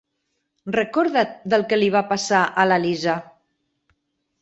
Recorda't del que li va passar a la Lisa.